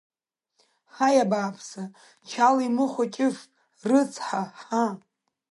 Ҳаи, абааԥсы, Чала имыхәа Ҷыф рыцҳа ҳа…